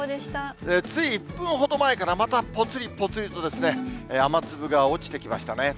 つい１分ほど前からまたぽつりぽつりとですね、雨粒が落ちてきましたね。